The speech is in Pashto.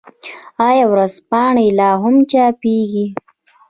آیا ورځپاڼې لا هم چاپيږي؟